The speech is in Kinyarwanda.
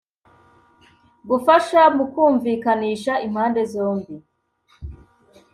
- gufasha mu kumvikanisha impande zombi.